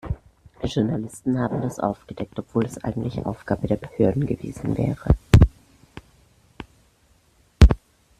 Journalisten haben das aufgedeckt, obwohl es eigentlich Aufgabe der Behörden gewesen wäre.